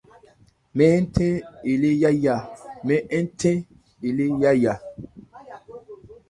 Mɛn nthɛ́n elé yáya.